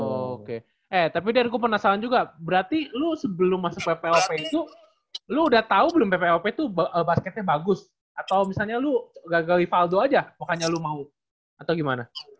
oke eh tapi dari gue penasaran juga berarti lu sebelum masuk pplp itu lu udah tahu belum ppop tuh basketnya bagus atau misalnya lu gagal ivaldo aja pokoknya lu mau atau gimana